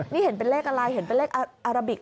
นี่เห็นเป็นเลขอะไรเห็นเป็นเลขอาราบิก